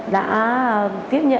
đã tiếp nhận